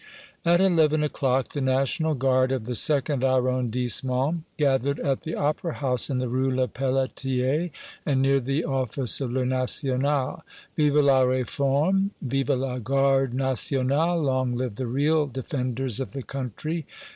At eleven o'clock the National Guard of the Second Arrondissement gathered at the opera house in the Rue Lepelletier, and near the office of "Le National." "Vive la Réforme!" "Vive la Garde Nationale!" "Long live the real defenders of the country!"